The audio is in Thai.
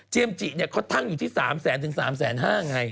เจมส์จิเนี่ยเขาตั้งอยู่ที่๓แสนถึง๓แสน๕ไง